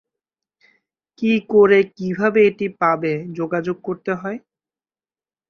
কি করে কীভাবে এটি পাবে যোগাযোগ করতে হয়?